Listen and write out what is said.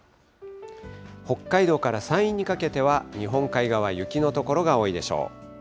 北海道から山陰にかけては、日本海側、雪の所が多いでしょう。